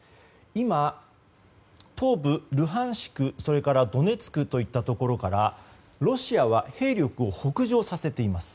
今、東部ルハンシクそれからドネツクといったところからロシアは兵力を北上させています。